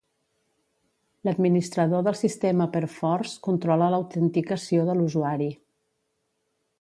L'administrador del sistema Perforce controla l'autenticació de l'usuari.